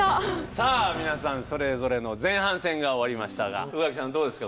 さあ皆さんそれぞれの前半戦が終わりましたが宇垣さんどうですか？